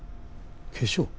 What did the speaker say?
化粧？